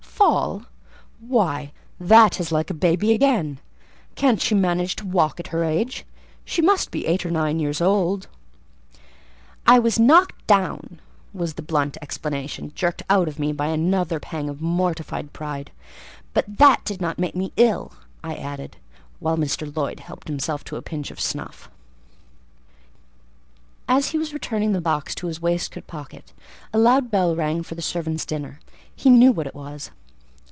"Fall! why, that is like a baby again! Can't she manage to walk at her age? She must be eight or nine years old." "I was knocked down," was the blunt explanation, jerked out of me by another pang of mortified pride; "but that did not make me ill," I added; while Mr. Lloyd helped himself to a pinch of snuff. As he was returning the box to his waistcoat pocket, a loud bell rang for the servants' dinner; he knew what it was.